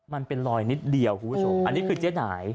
มันเป็นรอยนิดเดียวคุณผู้ชมอันนี้คือเจ๊หน่าย